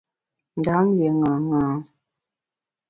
Ndam lié ṅaṅâ.